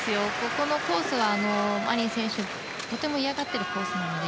このコース、マリン選手とても嫌がってるコースなので。